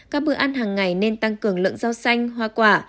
các bữa ăn hàng ngày nên tăng cường lượng rau xanh hoa quả